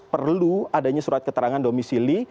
perlu adanya surat keterangan domisili